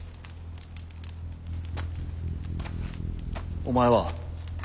お前は？